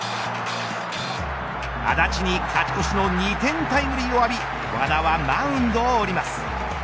安達に勝ち越しの２点タイムリーを浴び和田はマウンドを降ります。